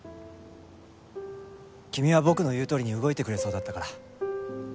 君は僕の言うとおりに動いてくれそうだったから。